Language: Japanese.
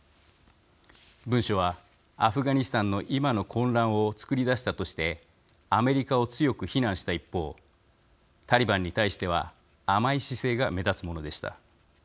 文書は、アフガニスタンの今の混乱を作り出したとしてアメリカを強く非難した一方タリバンに対しては甘い姿勢が目立つものでした。